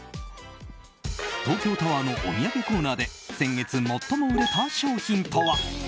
東京タワーのお土産コーナーで先月、最も売れた商品とは？